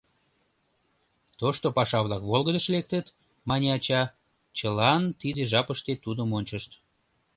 — Тошто паша-влак волгыдыш лектыт, — мане ача, чылан тиде жапыште тудым ончышт.